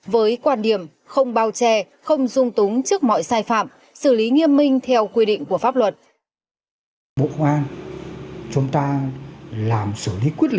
với quan điểm không bao che không dung túng trước mọi sai phạm xử lý nghiêm minh theo quy định của pháp luật